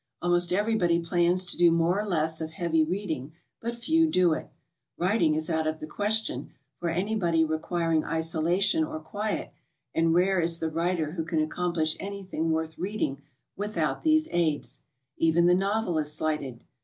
Almost everybody plans to do more or less of heavy reading, but few do it. Writing is out of the question for anybody requiring isolation or quiet, and rare is the writer who can accomplish anything worth reading without these aids. Even the novel is slighted.